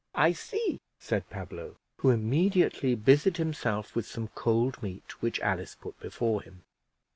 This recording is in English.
"I see," said Pablo, who immediately busied himself with some cold meat which Alice put before him.